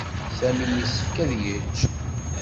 Sami yessefk ad yečč.